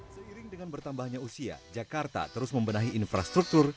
seiring dengan bertambahnya usia jakarta terus membenahi infrastruktur